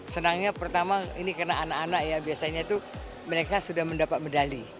senangnya pertama ini karena anak anak ya biasanya itu mereka sudah mendapat medali